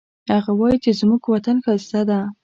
هغه وایي چې زموږ وطن ښایسته ده